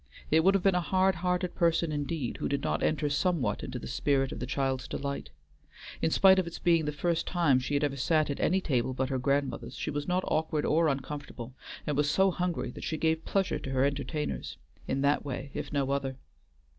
It would have been a hard hearted person indeed who did not enter somewhat into the spirit of the child's delight. In spite of its being the first time she had ever sat at any table but her grandmother's, she was not awkward or uncomfortable, and was so hungry that she gave pleasure to her entertainers in that way if no other.